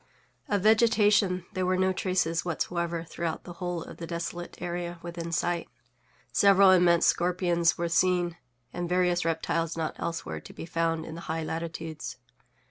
Of vegetation there were no traces whatsoever throughout the whole of the desolate area within sight. Several immense scorpions were seen, and various reptiles not elsewhere to be found in the high latitudes.